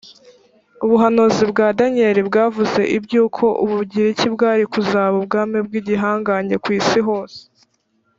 ubuhanuzi bwa daniyeli bwavuze iby uko ubugiriki bwari kuzaba ubwami bw igihangange ku isi hose